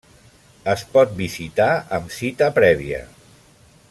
Es pot visitar amb cita prèvia.